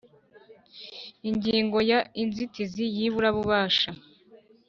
Ingingo ya Inzitizi y iburabubasha